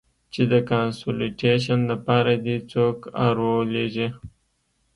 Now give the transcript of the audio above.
چې د کانسولټېشن د پاره دې څوک ارولېږي.